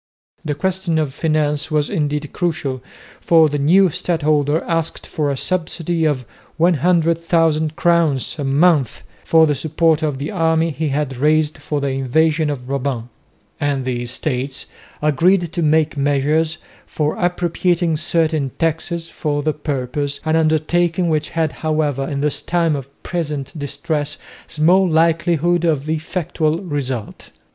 The question of finance was indeed crucial, for the new stadholder asked for a subsidy of 100,000 crowns a month for the support of the army he had raised for the invasion of Brabant; and the Estates agreed to take measures for appropriating certain taxes for the purpose, an undertaking which had, however, in this time of present distress small likelihood of effectual result.